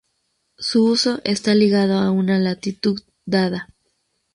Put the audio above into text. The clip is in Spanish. Su uso está ligado a una latitud dada.